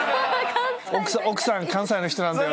「奥さん関西の人なんだよ」